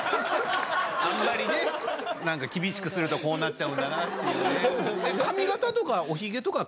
あんまり厳しくするとこうなっちゃうんだなっていうね。